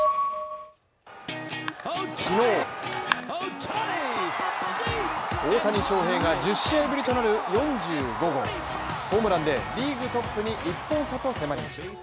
昨日、大谷翔平が１０試合ぶりとなる４５号ホームランでリーグトップに１本差と迫りました